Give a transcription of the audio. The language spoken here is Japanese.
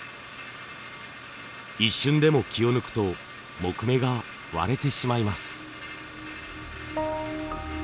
一瞬でも気を抜くと木目が割れてしまいます。